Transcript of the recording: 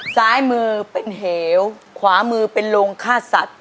ซ้ายมือเป็นเหวขวามือเป็นโรงฆ่าสัตว